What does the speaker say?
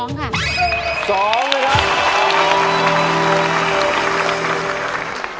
๒นะครับ